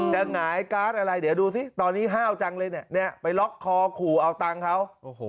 หงายการ์ดอะไรเดี๋ยวดูสิตอนนี้ห้าวจังเลยเนี่ยไปล็อกคอขู่เอาตังค์เขา